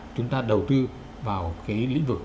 chúng ta đầu tư vào cái lĩnh vực